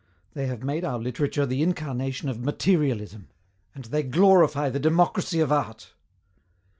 They have made our literature the incarnation of materialism and they glorify the democracy of art!